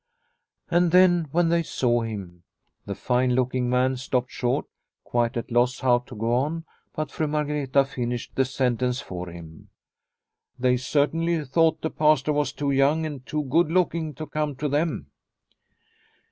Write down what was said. And then when they saw him 150 Liliecrona's Home The fine looking man stopped short, quite at a loss how to go on, but Fru Margreta finished the sentence for him. " They certainly thought the Pastor was too young and too good looking to come to them."